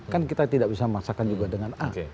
kan kita tidak bisa masakan juga dengan ah